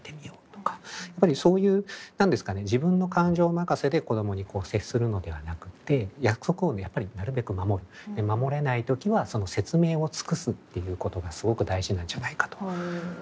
やっぱりそういう何ですかね自分の感情任せで子供に接するのではなくて約束をやっぱりなるべく守る守れない時はその説明を尽くすっていうことがすごく大事なんじゃないかと。